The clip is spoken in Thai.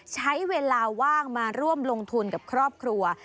ใช้เวลาว่างมาร่วมลงทุนกับครอบครัว